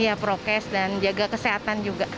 iya prokes dan jaga kesehatan juga